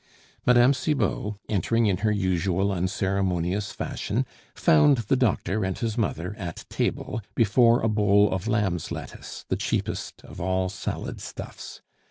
Mme. Cibot, entering in her usual unceremonious fashion, found the doctor and his mother at table, before a bowl of lamb's lettuce, the cheapest of all salad stuffs.